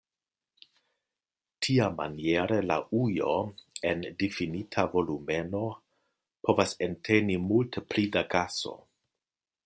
Tiamaniere la ujo en difinita volumeno povas enteni multe pli da gaso.